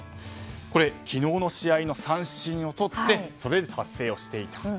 これ昨日の試合の三振をとって、それで達成していた。